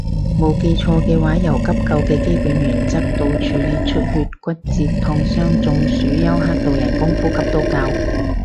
冇記錯嘅話由急救嘅基本原則到處理出血骨折燙傷中暑休克到人工呼吸都教